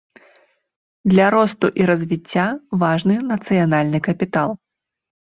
Для росту і развіцця важны нацыянальны капітал.